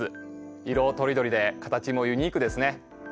色とりどりで形もユニークですね。